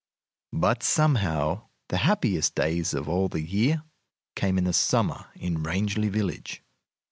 But, somehow, the happiest days of all the year came in the summer in Rangeley Village.